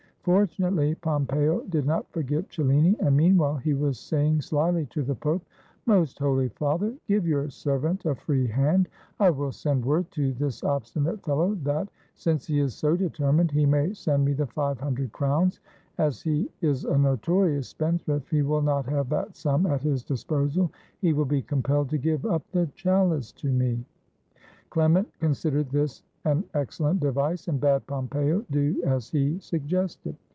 Fortunately Pompeo did not forget Cellini, and meanwhile he was saying slyly to the Pope, — "Most Holy Father, give your servant a free hand; I 67 ITALY will send word to this obstinate fellow, that, since he is so determined, he may send me the five hundred crowns; as he is a notorious spendthrift he will not have that sum at his disposal, he will be compelled to give up the chal ice to me." Clement considered this an excellent device and bade Pompeo do as he suggested.